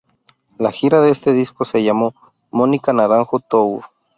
La gira de este disco se llamó "Mónica Naranjo Tour".